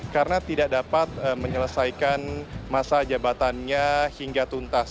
karena tidak dapat menyelesaikan masa jabatannya hingga tuntas